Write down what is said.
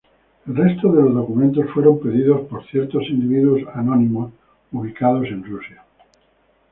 El resto de los documentos fueron pedidos por ciertos individuos anónimos ubicados en Rusia.